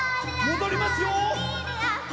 もどりますよ！